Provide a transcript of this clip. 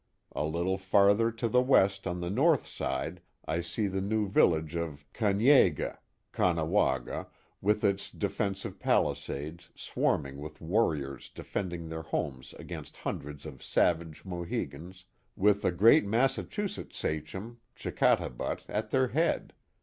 A little farther to the west on the north side I see the new village of Ka nyea geh (Caugh nawaga), with its defensive palisades swarming with warriors defending their homes against hundreds of savage Mohicans, with the great Massachusetts Sachem, Chickatabutt, at their head.